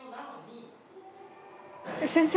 先生！